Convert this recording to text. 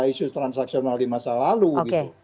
isu transaksional di masa lalu gitu